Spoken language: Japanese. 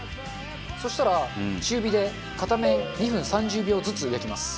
そしたら中火で片面２分３０秒ずつ焼きます。